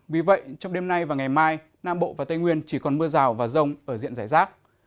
vì vậy trong đêm nay và ngày mai nam bộ và tây nguyên chỉ còn mưa rào và rông ở diện giải rác